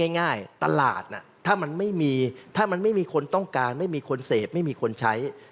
ง่ายตลาดถ้ามันไม่มีคนต้องการไม่มีคนเสพไม่มีคนใช้